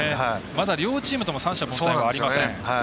まだ両チームとも三者凡退はありません。